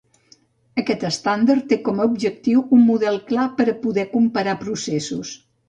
Aquest estàndard té com a objectiu un model clar per a poder comparar processos.